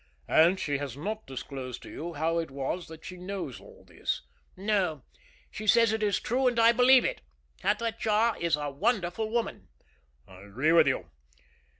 "And she has not disclosed to you how it is that she knows all this?" "No. She says it is true, and I believe it. Hatatcha is a wonderful woman." "I agree with you.